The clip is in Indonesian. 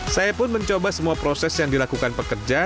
saya pun mencoba semua proses yang dilakukan pekerja